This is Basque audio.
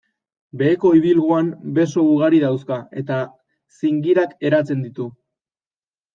Beheko ibilguan beso ugari dauzka eta zingirak eratzen ditu.